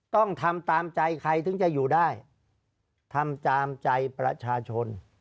ต้องทำตามใจใครถึงจะอยู่ได้ทำตามใจประชาชน